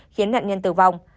khiến nạn nhân tử vong